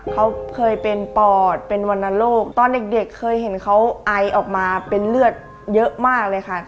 เขาเคยเป็นปอดเป็นวรรณโรคตอนเด็กเคยเห็นเขาไอออกมาเป็นเลือดเยอะมากเลยค่ะ